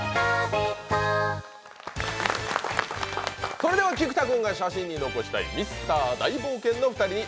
それでは菊田君が写真に残したいミスター大冒険の２人に